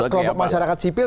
kelompok masyarakat sipil